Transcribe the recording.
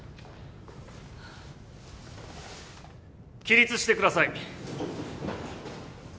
起立してください。